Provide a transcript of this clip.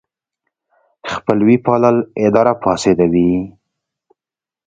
خپلوي پالل اداره فاسدوي.